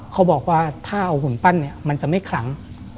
เขาบอกว่าถ้าเอาหุ่นปั้นเนี่ยมันจะไม่คลัง